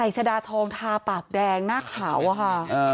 ชะดาทองทาปากแดงหน้าขาวอะค่ะ